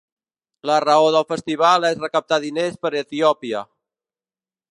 La raó del festival és recaptar diners per a Etiòpia.